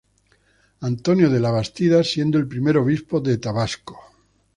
Antonio de Labastida, siendo el primer obispo de Tabasco.